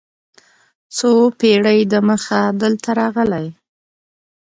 څو پېړۍ دمخه دلته راغلي.